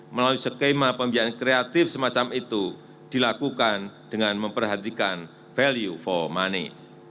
melalui skema pembiayaan kreatif semacam itu dilakukan dengan memperhatikan value for money